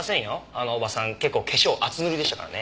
あのおばさん結構化粧厚塗りでしたからね。